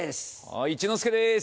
一之輔です。